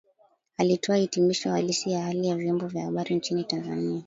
alitoa hitimisho halisi la hali ya vyombo vya habari nchini Tanzania